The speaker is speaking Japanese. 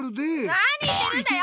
何言ってるんだよ！